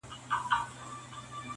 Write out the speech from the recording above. دلته بله محکمه وي فیصلې وي.